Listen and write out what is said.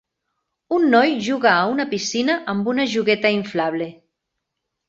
Un noi juga a una piscina amb una jugueta inflable.